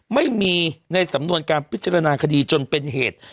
ไม่มีในสำนวนการพิจารณาคดีจนเป็นเหตุ